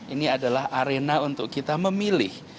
ini adalah arena untuk kita memilih